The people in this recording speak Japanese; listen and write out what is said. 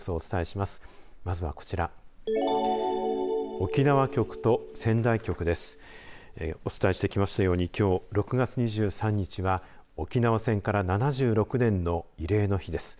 お伝えしてきましたようにきょう６月２３日は沖縄戦から７６年の慰霊の日です。